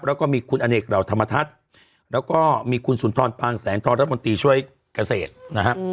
แล้วก็มีคุณอเนกเหล่าธรรมทัศน์แล้วก็มีคุณสุนทรปางแสงทรรัฐมนตรีช่วยเกษตรนะฮะ